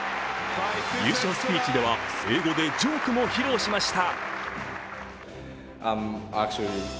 優勝スピーチでは英語でジョークも披露しました。